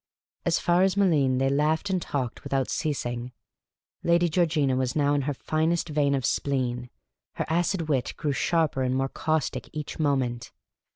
As far as Malines they laughed and talked without ceasing. Lady Georgina was now in her finest vein of spleen ; her acid wit grew sharper and more caustic each moment.